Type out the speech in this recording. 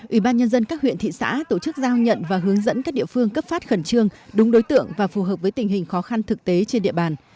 ủy ban nhân dân các huyện thị xã tổ chức giao nhận và hướng dẫn các địa phương cấp phát khẩn trương đúng đối tượng và phù hợp với tình hình khó khăn thực tế trên địa bàn